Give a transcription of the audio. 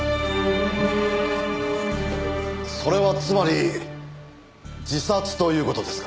それはつまり自殺という事ですか？